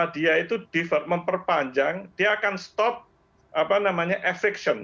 dia itu memperpanjang dia akan stop affection